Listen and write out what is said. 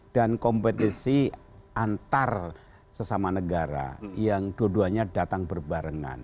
dan kompetisi antar sesama negara yang dua duanya datang berbarengan